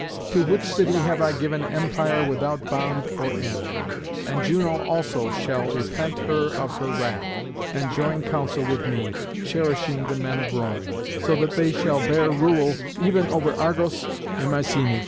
To which city have I given empire without bound or end. And Juno also shall repent her of her wrath, and join counsel with me, cherishing the men of Rome, so that they shall bear rule even over Argos and Mycenæ."